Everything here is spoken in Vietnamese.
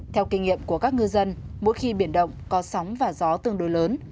theo kinh nghiệm của các ngư dân mỗi khi biển động có sóng và gió tương đối lớn